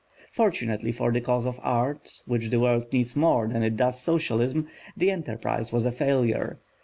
Fortunately for the cause of art, which the world needs more than it does socialism, the enterprise was a failure.